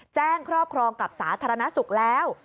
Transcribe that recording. ครอบครองกับสาธารณสุขแล้ว